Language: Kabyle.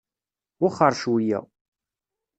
Wexxer cweyya.